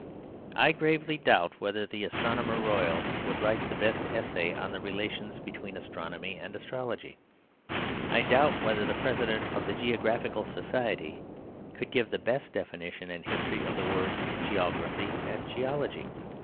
I gravely doubt whether the Astronomer Royal would write the best essay on the relations between astronomy and astrology. I doubt whether the President of the Geographical Society could give the best definition and history of the words "geography" and "geology."